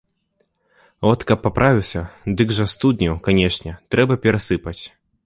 От каб паправіўся, дык жа студню, канешне, трэба перасыпаць.